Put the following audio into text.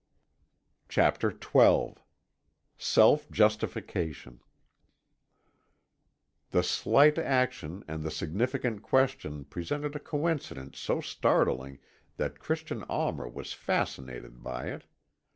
CHAPTER XII SELF JUSTIFICATION The slight action and the significant question presented a coincidence so startling that Christian Almer was fascinated by it.